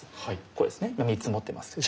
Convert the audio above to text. これですね３つ持ってますね。